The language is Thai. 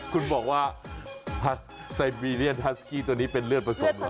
คุณบอกว่าผัดไซบีเรียนฮัสกี้ตัวนี้เป็นเลือดผสมเหรอ